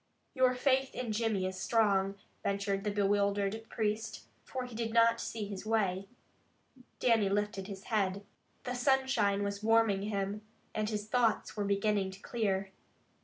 "Your faith in Jimmy is strong," ventured the bewildered priest, for he did not see his way. Dannie lifted his head. The sunshine was warming him, and his thoughts were beginning to clear.